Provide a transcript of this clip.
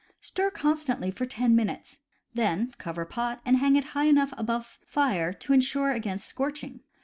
Stir constantly for ten minutes. Then cover pot and hang it high enough above fire to insure against scorching.